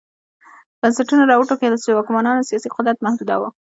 بنسټونه را وټوکېدل چې د واکمنانو سیاسي قدرت محدوداوه.